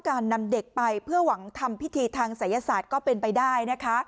นำเด็กไปเพื่อหวังทำพิธีทางศัยศาสตร์ก็เป็นไปได้นะคะ